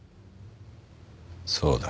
そうだ。